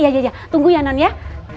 iya jaja tunggu ya non ya